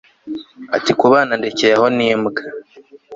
ati kubana ndekeye aho ni mbwa